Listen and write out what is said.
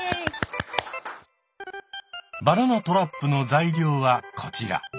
バナナトラップの材料はこちら。